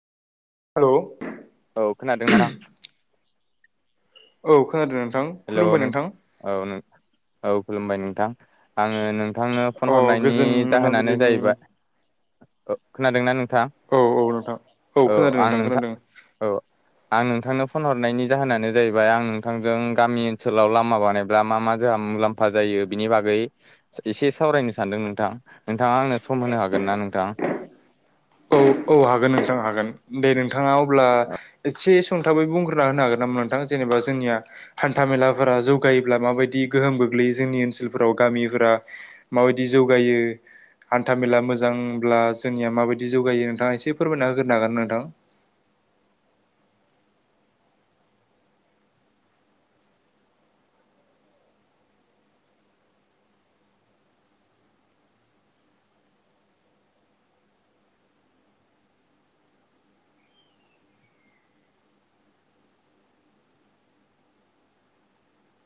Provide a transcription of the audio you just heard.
Hello औ खोनादोंना आं औ खोनादों । हेलौ नों औ औ खुलुमबाय नोंथां आङो नों नोंथांनो फन अ हरनायनि गोजोन जाहोनानो मोनाबिलिनि जाहैबाय औ ओ खोनादोंना नों नोंथां औ नोंथां औ खोनादों आं नोंथां खोनादों औ आं नोंथां नोंथांनो फन हरनायनि जाहोनानो जाहैबाय आं नोंथांजों गामि ओनसोलाव लामा बानायब्ला मा मा जोंङा मुलाम्फा जायो बिनि बागै एसे सावरायनो सानदों । नोंथां नोंथाङा आंनो सम होनो हागोन ना नोंथां औ औ हागोन नोंथां हागोन दे नोंथाङा अब्ला एसे संथाबै बुंग्रोना होनो हागोन नामा नोंथां जेनेबा जोंनिया हान्थाामेलाफोरा जौगायोब्ला माबायदि गोहोम गोग्लैयो जोंनि ओनसोलफोराव गामिफोराव माबायदि जौगायो हान्था मेला मोजांब्ला जोंनिया माबायदि जौगायो नोंथाङा एसे फोरमायना होग्रोनो हागोना नोंथां